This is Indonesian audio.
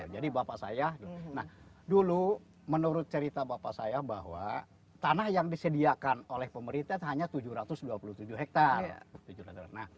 jadi bapak saya dulu menurut cerita bapak saya bahwa tanah yang disediakan oleh pemerintah hanya tujuh ratus dua puluh tujuh hektare